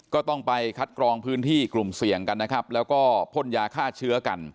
ก็ต้องไปคัดกรองพื้นที่กลุ่มเสี่ยงกันนะครับแล้วก็พ่นยาฆ่าเชื้อกัน